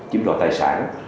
chiếm đoạt tài sản